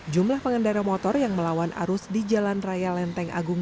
jumlah pengendara motor yang melawan arus di jalan raya lenteng agung